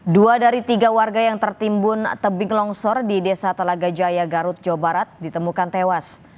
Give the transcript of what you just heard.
dua dari tiga warga yang tertimbun tebing longsor di desa telaga jaya garut jawa barat ditemukan tewas